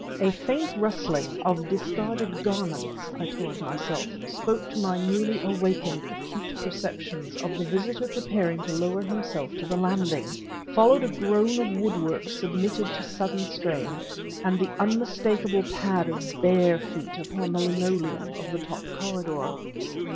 A faint rustling (of discarded garments, I told myself) spoke to my newly awakened, acute perceptions, of the visitor preparing to lower himself to the landing. Followed a groan of woodwork submitted to sudden strain and the unmistakable pad of bare feet upon the linoleum of the top corridor.